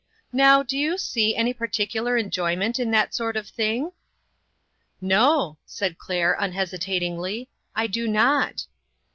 Now, do you see any particular enjoyment in that sort of thing?" " No," said Claire unhesitatingly, " I do not."